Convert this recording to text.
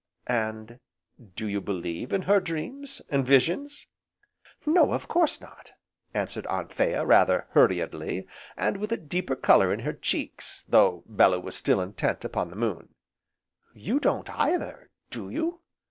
"And do you believe in her dreams, and visions?" "No, of course not!" answered Anthea, rather hurriedly, and with a deeper colour in her cheeks, though Bellew was still intent upon the moon. "You don't either, do you?"